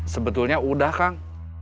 sebetulnya udah kang